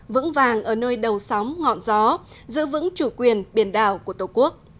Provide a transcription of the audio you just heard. vững vàng ở nơi đầu sóng ngọn gió giữ vững chủ quyền biển đảo của tổ quốc